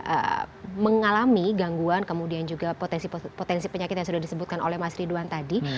kemudian mengalami gangguan kemudian juga potensi penyakit yang sudah disebutkan oleh mas ridwan tadi